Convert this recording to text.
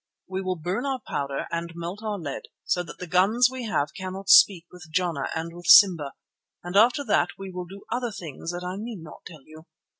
We will burn our powder and melt our lead, so that the guns we have cannot speak with Jana and with Simba, and after that we will do other things that I need not tell you.